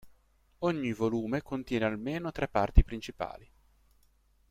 Ogni volume contiene almeno tre parti principali.